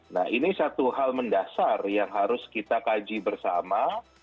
nah ini satu hal mendasar yang harus kita kaji bersama